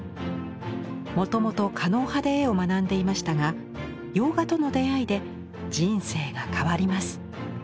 もともと狩野派で絵を学んでいましたが洋画との出会いで人生が変わります。